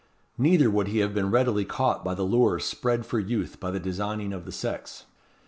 Neither would he have been readily caught by the lures spread for youth by the designing of the sex.